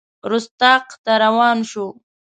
رُستاق ته روان شو.